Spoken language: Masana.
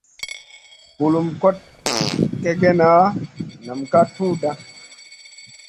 Bulum kot kègèna nam ka tudha.